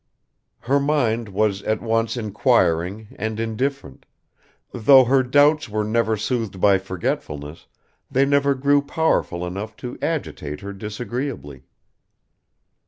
Her mind was at once inquiring and indifferent; though her doubts were never soothed by forgetfulness, they never grew powerful enough to agitate her disagreeably.